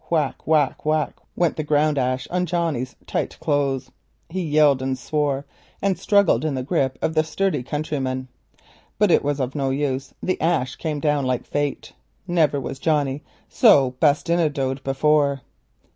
Whack! whack! whack! came the ground ash on Johnnie's tight clothes. He yelled, swore and struggled in the grip of the sturdy countryman, but it was of no use, the ash came down like fate; never was a Johnnie so bastinadoed before.